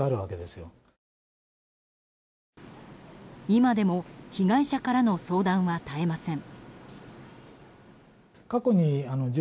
今でも被害者からの相談は絶えません。